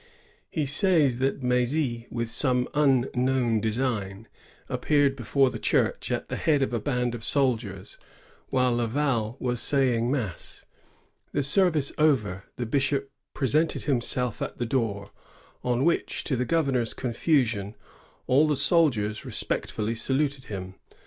He says that M^zy, with some unknown design, appeared before the church at the head of a band of soldieis, while Laval was saying mass. The service over, the bishop presented himself at the door, on which, to the governor's confusion, all the soldiers respect fully saluted him.'